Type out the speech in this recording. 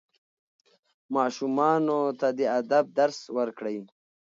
ماشومانو ته د ادب درس ورکړئ.